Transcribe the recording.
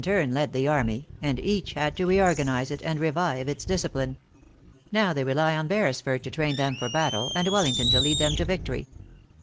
turn led the army, and each had to reorganize it, and revive its discipline. Now, they rely on Beresford to train them for battle, and Wellington to lead them to victor} 7